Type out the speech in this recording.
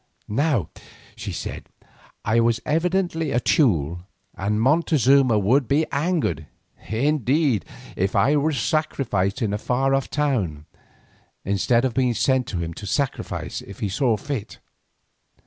Now, she said, I was evidently a Teule, and Montezuma would be angered, indeed, if I were sacrificed in a far off town, instead of being sent to him to sacrifice if he saw fit.